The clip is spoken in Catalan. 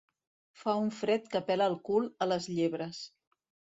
Fer un fred que pela el cul a les llebres.